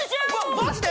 マジで？